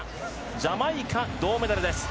ジャマイカ、銅メダルです。